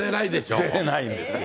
寝れないんですよ。